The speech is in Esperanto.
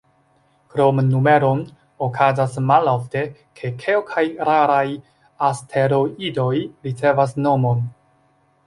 Krom numeron, okazas malofte, ke kelkaj raraj asteroidoj ricevas nomon.